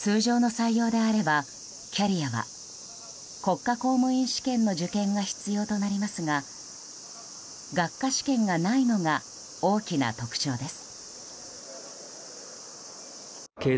通常の採用であれば、キャリアは国家公務員試験の受験が必要となりますが学科試験がないのが大きな特徴です。